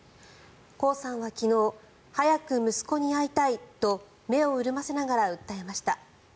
コウさんは昨日早く息子に会いたいと目を潤ませながら訴えました。